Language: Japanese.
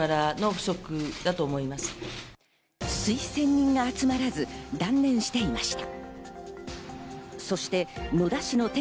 推薦人が集まらず断念していました。